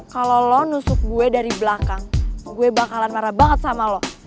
kalau lo nusuk gue dari belakang gue bakalan marah banget sama lo